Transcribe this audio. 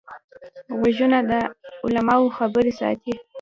غوږونه د علماوو خبرې ساتي